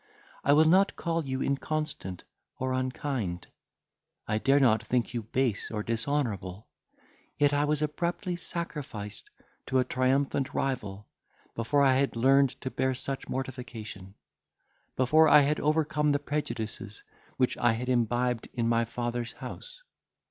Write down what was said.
I will not call you inconstant or unkind. I dare not think you base or dishonourable; yet I was abruptly sacrificed to a triumphant rival, before I had learned to bear such mortification; before I had overcome the prejudices which I had imbibed in my father's house.